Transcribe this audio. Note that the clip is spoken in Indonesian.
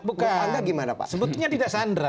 bukan sebetulnya tidak sandar